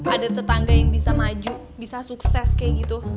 ada tetangga yang bisa maju bisa sukses kayak gitu